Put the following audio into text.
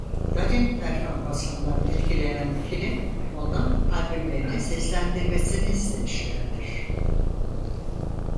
Dan'in performansından etkilenen ikili ondan albümlerini seslendirmesini istemişlerdir.